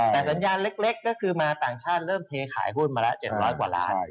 แต่สัญญาณเล็กก็คือมาต่างชาติเริ่มเทขายหุ้นมาละ๗๐๐กว่าล้าน